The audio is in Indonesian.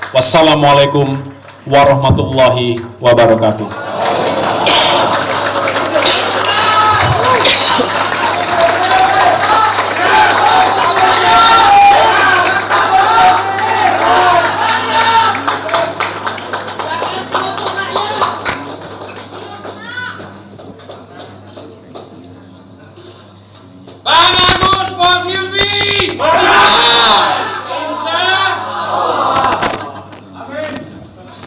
wassalamualaikum warahmatullahi wabarakatuh